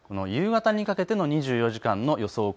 夕方にかけての２４時間の予想